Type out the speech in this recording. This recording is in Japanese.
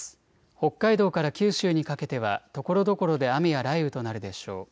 北海道から九州にかけてはところどころで雨や雷雨となるでしょう。